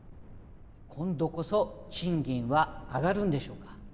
今度こそ賃金は上がるんでしょうか。